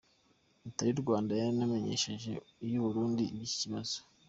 Leta y’u Rwanda yanamenyesheje iy’u Burundi iby’iki kibazo.